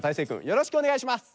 よろしくお願いします。